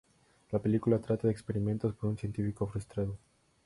La película trata de experimentos por un científico frustrado.